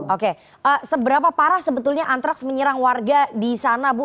oke seberapa parah sebetulnya antraks menyerang warga di sana bu